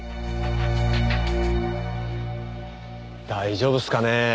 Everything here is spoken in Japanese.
大丈夫っすかねぇ？